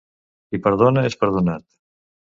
Qui perdona és perdonat.